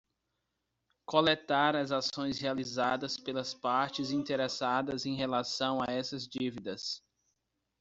Coletar as ações realizadas pelas partes interessadas em relação a essas dívidas.